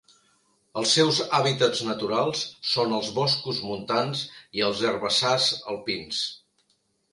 Els seus hàbitats naturals són els boscos montans i els herbassars alpins.